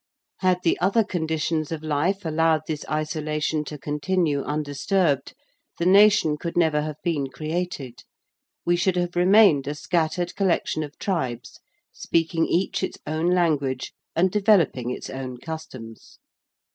Had the other conditions of life allowed this isolation to continue undisturbed, the nation could never have been created: we should have remained a scattered collection of tribes speaking each its own language and developing its own customs.